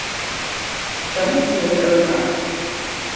Chami ti nya liɣiri maa.